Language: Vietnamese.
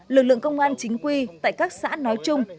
lực lượng công an chính quy tại các xã nói chung